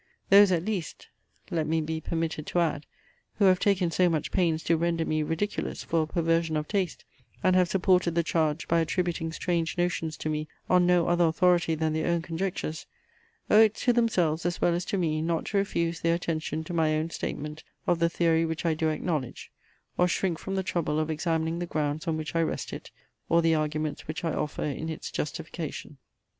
Those at least, let me be permitted to add, who have taken so much pains to render me ridiculous for a perversion of taste, and have supported the charge by attributing strange notions to me on no other authority than their own conjectures, owe it to themselves as well as to me not to refuse their attention to my own statement of the theory which I do acknowledge; or shrink from the trouble of examining the grounds on which I rest it, or the arguments which I offer in its justification.